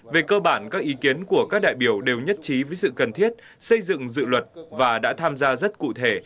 về cơ bản các ý kiến của các đại biểu đều nhất trí với sự cần thiết xây dựng dự luật và đã tham gia rất cụ thể